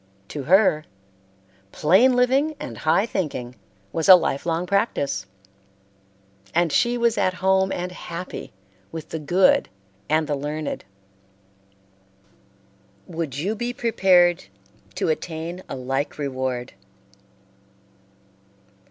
To her, "plain living and high thinking" was a life long practice, and she was at home and happy with the good and the learned. Would you be prepared to attain a like reward?